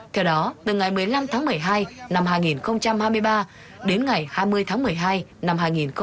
theo đó từ ngày một mươi năm tháng một mươi hai năm hai nghìn hai mươi ba đến ngày hai mươi tháng một mươi hai năm hai nghìn hai mươi ba